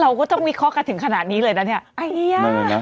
เราก็ต้องวิเคราะห์กันถึงขนาดนี้เลยน่ะเนี่ย